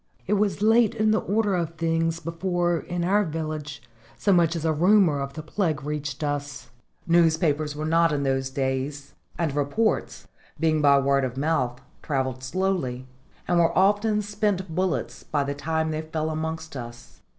It was late in the order of things before in our village so much as a rumour of the plague reached us. Newspapers were not in those days, and reports, being by word of mouth, travelled slowly, and were often spent bullets by the time they fell amongst us.